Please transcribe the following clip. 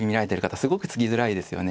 すごく突きづらいですよね。